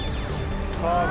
カーブ。